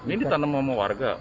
ini ditanam sama warga